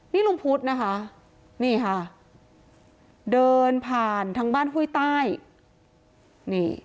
นี่ลุงพุทธนะคะนี่ค่ะเดินผ่านทางบ้านห้วยใต้นี่